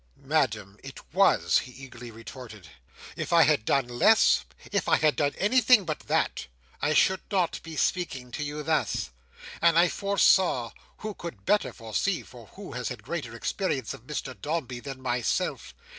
"Madam, it was," he eagerly retorted. "If I had done less, if I had done anything but that, I should not be speaking to you thus; and I foresaw—who could better foresee, for who has had greater experience of Mr Dombey than myself?